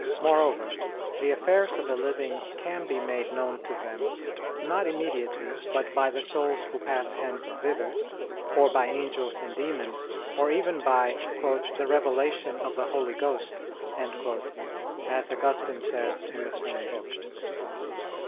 Moreover, the affairs of the living can be made known to them not immediately, but the souls who pass hence thither, or by angels and demons, or even by "the revelation of the Holy Ghost," as Augustine says in the same book.